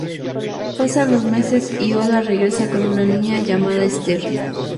Pasan los meses y Ola regresa con una niña llamada Esther.